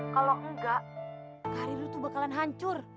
kalau enggak kak riru tuh bakalan hancur